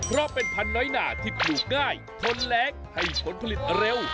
เพราะเป็นพันน้อยหนาที่ปลูกง่ายทนแรงให้ผลผลิตเร็ว